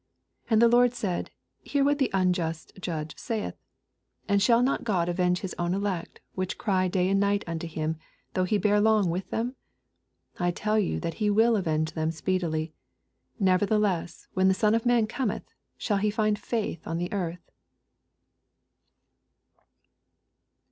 6 And the Lord t»aid, Hear what the unjust judge saith. 7 And shall not God avenge his own elect, which cry day and night unto him, though he bear long with them? 8 I tell you that he will avenge them speedily. Nevertheless, when the Son of man cometb, shtJl he find fuith on the earth